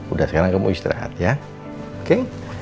udah sekarang kamu istirahat ya king